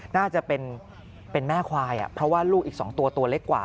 น่าจะเป็นแม่ควายเพราะว่าลูกอีก๒ตัวตัวเล็กกว่า